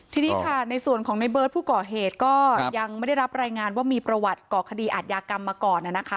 ทีนี้ค่ะในส่วนของในเบิร์ตผู้ก่อเหตุก็ยังไม่ได้รับรายงานว่ามีประวัติก่อคดีอาทยากรรมมาก่อน